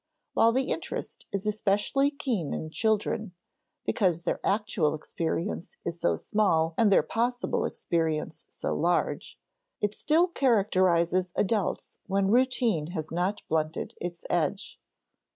While the interest is especially keen in children (because their actual experience is so small and their possible experience so large), it still characterizes adults when routine has not blunted its edge.